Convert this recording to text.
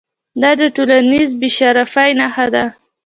دا د ټولنیز بې شرفۍ نښه ده.